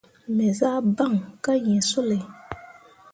Me zah baŋ kah yĩĩ sulay.